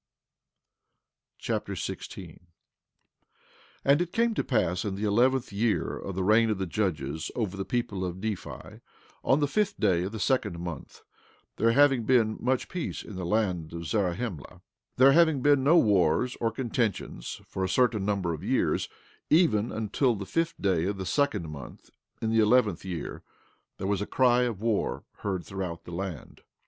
Alma Chapter 16 16:1 And it came to pass in the eleventh year of the reign of the judges over the people of Nephi, on the fifth day of the second month, there having been much peace in the land of Zarahemla, there having been no wars nor contentions for a certain number of years, even until the fifth day of the second month in the eleventh year, there was a cry of war heard throughout the land.